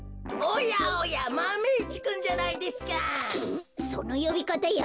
そのよびかたやめろ。